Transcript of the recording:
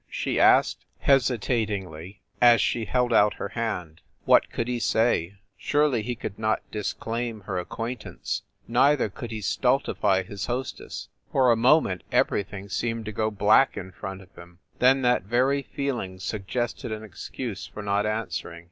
she asked, hesitat ingly, as she held out her hand. What could he say? Surely he could not dis claim her acquaintance, neither could he stultify his hostess. For a moment everything seemed to go black in front of him, then that very feeling sug gested an excuse for not answering.